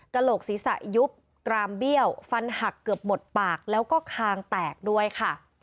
โหลกศีรษะยุบกรามเบี้ยวฟันหักเกือบหมดปากแล้วก็คางแตกด้วยค่ะ